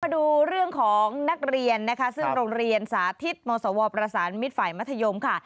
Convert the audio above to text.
ดูเรื่องของนักเรียนนะคะซึ่งโรงเรียนสาธิตมศวประสานมิตรฝ่ายมัธยมค่ะ